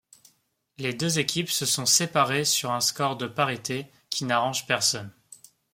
Les deux équipes se sont séparées sur un score de parité qui n'arrange personne.